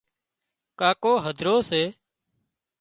ڪاڪو هڌرو سي